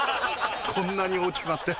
こんなに大きくなって。